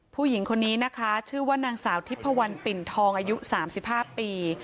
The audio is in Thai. ผู้หญิงคนนี้นะคะชื่อว่านางสาวทิพพวันปิ่นทองอายุ๓๕ปี